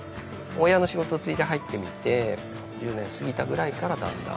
親の仕事継いで入ってみて１０年すぎたくらいからだんだん。